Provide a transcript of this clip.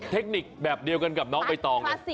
เทคนิคเดียวกับน้องไอ้ตอง